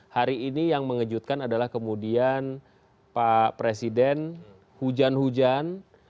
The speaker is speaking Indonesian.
hari ini yang mengejutkan adalah kemudian pak presiden hujan hujan